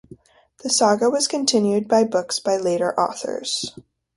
The saga was continued by books by later authors.